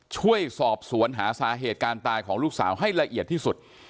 ช่วยสอบสวนหาสาเหตุการตายของลูกสาวให้ละเอียดที่สุด